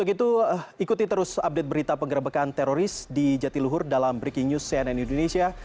begitu ikuti terus update berita penggerbekan teroris di jatiluhur dalam breaking news cnn indonesia